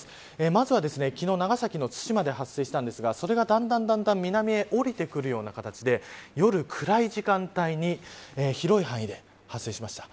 まずは昨日長崎の対馬で発生したんですがそれが、だんだん南に下りてくるような形で夜暗い時間帯に広い範囲で発生しました。